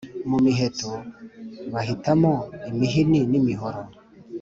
mu miheto bahitamo imihini n’imihoro